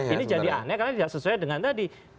ini jadi aneh karena tidak sesuai dengan tadi